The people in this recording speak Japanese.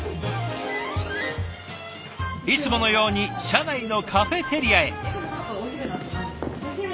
いつものように社内のカフェテリアへ。